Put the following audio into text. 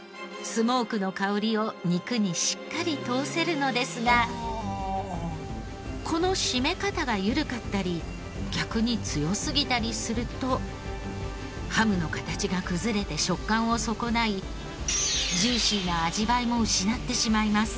スモークの薫りを肉にしっかり通せるのですがこの締め方が緩かったり逆に強すぎたりするとハムの形が崩れて食感を損ないジューシーな味わいも失ってしまいます。